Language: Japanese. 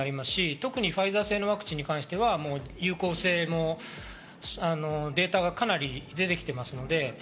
特にファイザー製のワクチンに関しては有効性もデータがかなり出てきています。